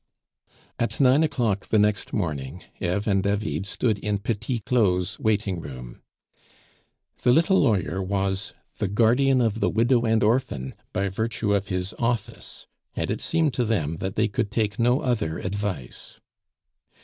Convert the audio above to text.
At nine o'clock the next morning Eve and David stood in Petit Claud's waiting room. The little lawyer was the guardian of the widow and orphan by virtue of his office, and it seemed to them that they could take no other advice.